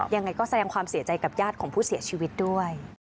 ยังไงก็แสดงความเสียใจกับญาติของผู้เสียชีวิตด้วย